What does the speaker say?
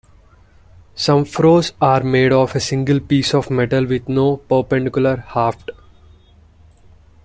Some froes are made of a single piece of metal with no perpendicular haft.